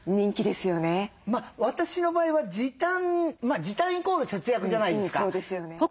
私の場合は時短まあ時短イコール節約じゃないですか。